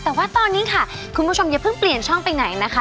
แต่ว่าตอนนี้ค่ะคุณผู้ชมอย่าเพิ่งเปลี่ยนช่องไปไหนนะคะ